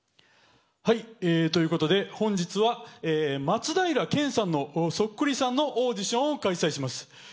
はい、ということで本日は松平健さんのそっくりさんのオーディションを開催します。